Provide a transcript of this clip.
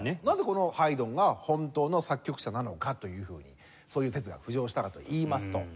なぜこのハイドンが本当の作曲者なのかというふうにそういう説が浮上したかといいますと。